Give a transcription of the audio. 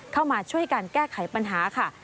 เข้ามาช่วยการแก้ไขปัญหาค่ะ